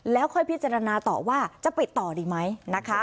แล้วค่อยพิจารณาต่อว่าจะปิดต่อดีไหมนะคะ